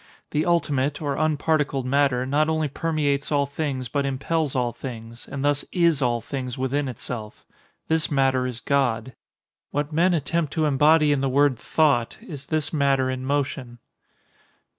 The ultimate, or unparticled matter, not only permeates all things but impels all things; and thus is all things within itself. This matter is God. What men attempt to embody in the word "thought," is this matter in motion.